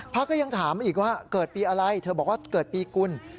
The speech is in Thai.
ก็ยังถามอีกว่าเกิดปีอะไรเธอบอกว่าเกิดปีกุล